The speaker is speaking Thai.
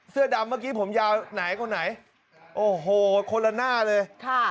เสื้อดำเมื่อกี้ผมยาวไหนคนไหนโอ้โหคนละหน้าเลยค่ะ